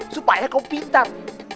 supaya kau pintar